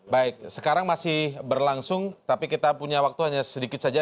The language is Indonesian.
baik sekarang masih berlangsung tapi kita punya waktu hanya sedikit saja